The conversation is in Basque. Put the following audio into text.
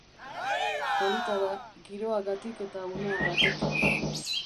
Polita da, giroagatik eta uneagatik.